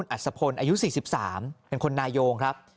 อัศพลอายุ๔๓เป็นคนนายงครับ